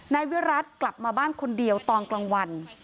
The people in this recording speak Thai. นายวิรัติกลับมาบ้านคนเดียวตอนกลางวัน